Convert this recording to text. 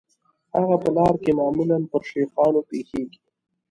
هغه په لاره کې معمولاً پر شیخانو پیښیږي.